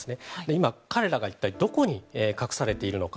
今、彼らが一体どこに隠されているのか。